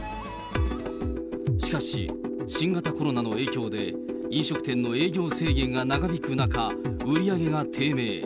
しかし、新型コロナの影響で飲食店の営業制限が長引く中、売り上げが低迷。